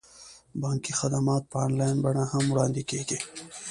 بانکي خدمات په انلاین بڼه هم وړاندې کیږي.